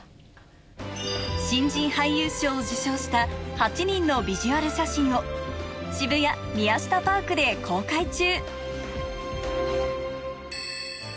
新人俳優賞を受賞した８人のビジュアル写真を渋谷ＭＩＹＡＳＨＩＴＡＰＡＲＫで公開中